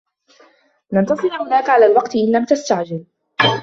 لن تصل هناك على الوقت إن لم تستعجل.